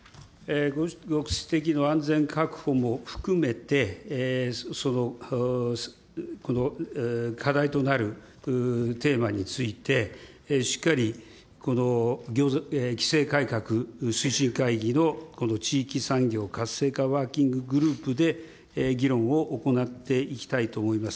ご指摘の安全確保も含めて、この課題となるテーマについて、しっかり規制改革推進会議の地域産業活性化ワーキンググループで議論を行っていきたいと思います。